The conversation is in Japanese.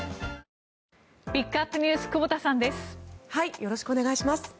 よろしくお願いします。